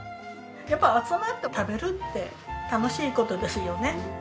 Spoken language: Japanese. やっぱ集まって食べるって楽しい事ですよね。